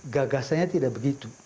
gagasannya tidak begitu